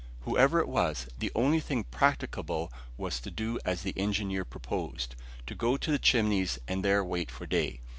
Whoever it was, the only thing practicable was to do as the engineer proposed, to go to the Chimneys and there wait for day.